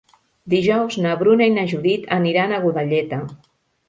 Dijous na Bruna i na Judit aniran a Godelleta.